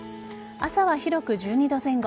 朝は広く１２度前後。